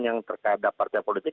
yang terhadap partai politik